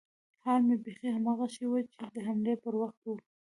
حال مې بيخي هماغه شى و چې د حملې پر وخت و.